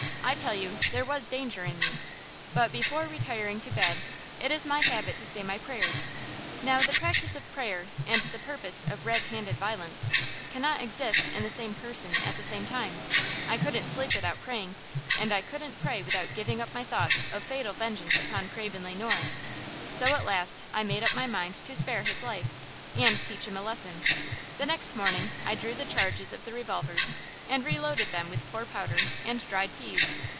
I tell you, there was danger in me! But, before retiring to bed at night, it is my habit to say my prayers; now the practice of prayer and the purpose of 'red handed violence,' cannot exist in the same person at the same time! I wouldn't sleep without praying, and I couldn't pray without giving up my thoughts of fatal vengeance upon Craven Le Noir. So at last I made up my mind to spare his life, and teach him a lesson. The next morning I drew the charges of the revolvers and reloaded them with poor powder and dried peas!